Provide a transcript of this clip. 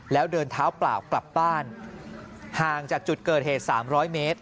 แล้วเดินเท้าเปล่ากลับบ้านห่างจากจุดเกิดเหตุ๓๐๐เมตร